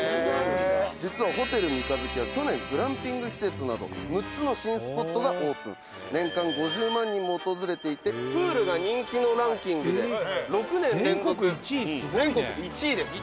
「実はホテル三日月は去年グランピング施設など６つの新スポットがオープン」「年間５０万人も訪れていてプールが人気のランキングで６年連続全国１位です」